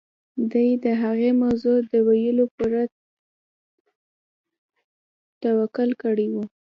دې د هغې موضوع د ويلو پوره تکل کړی و.